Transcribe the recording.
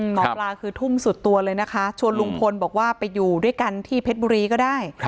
หมอปลาคือทุ่มสุดตัวเลยนะคะชวนลุงพลบอกว่าไปอยู่ด้วยกันที่เพชรบุรีก็ได้